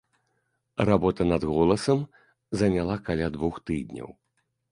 Работа над голасам заняла каля двух тыдняў.